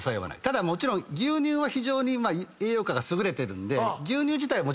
ただもちろん牛乳は非常に栄養価が優れてるんで牛乳自体もちろんいいけどね。